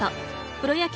プロ野球